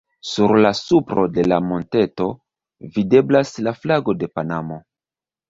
Sur la supro de la monteto, videblas la flago de Panamo.